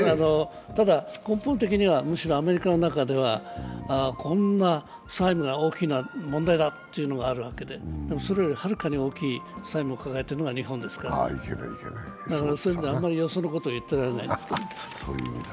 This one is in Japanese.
ただ、根本的にはむしろアメリカの中ではこんな債務が大きいのは問題だというのがあるわけで、でもそれよりはるかに大きい債務を抱えているのが日本ですのでだから、そういう意味では、あまりよそのことは言ってられない。